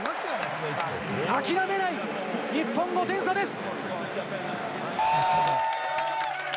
諦めない日本の点差です。